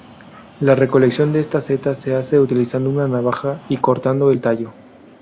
La recolección de esta seta se hace utilizando una navaja y cortando el tallo.